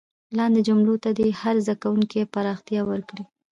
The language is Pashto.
لاندې جملو ته دې هر زده کوونکی پراختیا ورکړي.